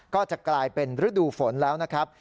ก็จะกลายเป็นฤดูฝนแล้วนะครับ